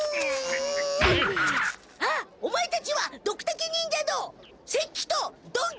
あっオマエたちはドクタケ忍者の雪鬼と曇鬼！